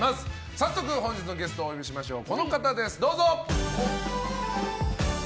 早速本日のゲストをお呼びしましょう。